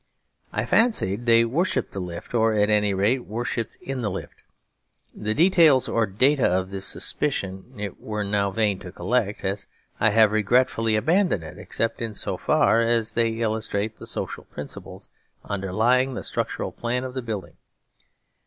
I fancied they worshipped the lift, or at any rate worshipped in the lift. The details or data of this suspicion it were now vain to collect, as I have regretfully abandoned it, except in so far as they illustrate the social principles underlying the structural plan of the building.